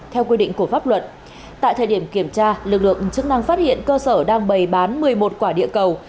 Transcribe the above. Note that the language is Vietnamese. theo quy định của pháp luật tại thời điểm kiểm tra lực lượng chức năng phát hiện cơ sở đang bày bán một mươi một quả địa cầu